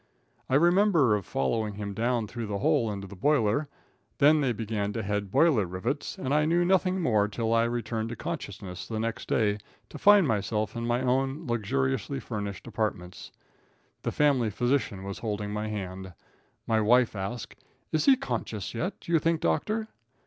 I remember of following him down through the hole into the boiler; then they began to head boiler rivets, and I knew nothing more till I returned to consciousness the next day to find myself in my own luxuriously furnished apartments. The family physician was holding my hand. My wife asked: "Is he conscious yet, do you think, doctor?"